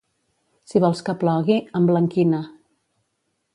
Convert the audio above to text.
Si vols que plogui, emblanquina.